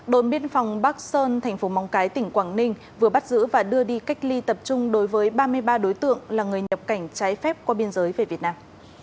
đồn biên phòng bắc sơn thành phố móng cái tỉnh quảng ninh vừa bắt giữ và đưa đi cách ly tập trung đối với ba mươi ba đối tượng là người nhập cảnh trái phép qua biên giới về việt nam